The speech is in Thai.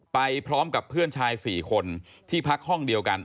ไปพร้อมกับเพื่อนชาย๔คนที่พักห้องเดียวกัน